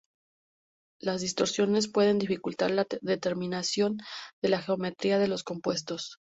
Las distorsiones pueden dificultar la determinación de la geometría de los compuestos.